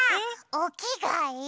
おきがえ